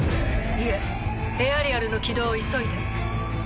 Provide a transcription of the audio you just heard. いえエアリアルの起動を急いで。